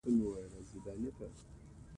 افغانستان د پسرلی له مخې پېژندل کېږي.